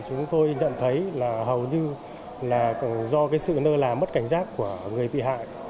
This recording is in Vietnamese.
chúng tôi nhận thấy là hầu như là do sự nơi làm mất cảnh giác của người bị hại